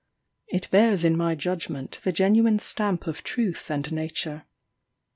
It bears in my judgment the genuine stamp of truth and nature.